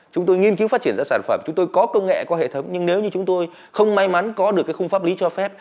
chúng tôi nghiên cứu phát triển ra sản phẩm chúng tôi có công nghệ có hệ thống nhưng nếu như chúng tôi không may mắn có được cái khung pháp lý cho phép